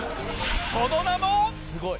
その名も！